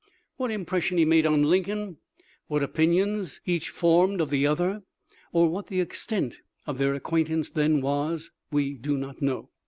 What impression he made on Lincoln, what opin ions each formed of the other, or what the extent of their acquaintance then was, we do not know.